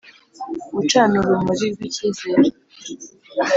Gucana urumuri rw icyizere